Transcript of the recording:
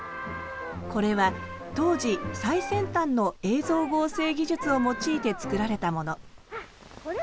これは当時最先端の映像合成技術を用いて作られたもの。